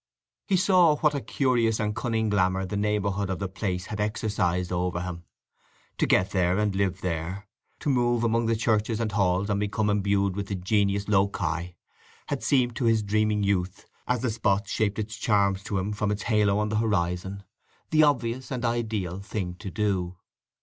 He saw what a curious and cunning glamour the neighbourhood of the place had exercised over him. To get there and live there, to move among the churches and halls and become imbued with the genius loci, had seemed to his dreaming youth, as the spot shaped its charms to him from its halo on the horizon, the obvious and ideal thing to do.